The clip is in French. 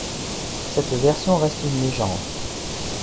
Cette version reste une légende.